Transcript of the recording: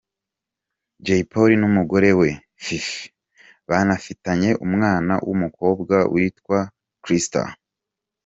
Jay Polly n’umugore we Fifi banafitanye umwana w’umukobwa witwa Crystal.